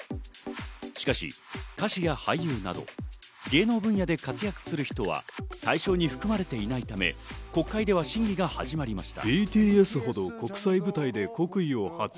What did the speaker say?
しかし、歌手や俳優など芸能分野で活躍する人は対象に含まれていないため、国会では審議が始まりました。